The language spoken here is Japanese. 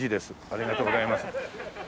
ありがとうございます。